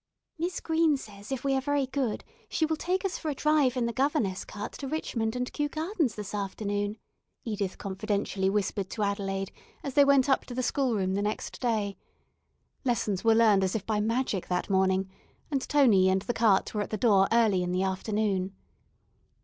"Miss Green says if we are very good she will take us for a drive in the governess cart to Richmond and Kew Gardens this afternoon," Edith confidentially whispered to Adelaide, as they went up to the schoolroom the next day. Lessons were learned as by magic that morning, and Tony and the cart were at the door early in the afternoon.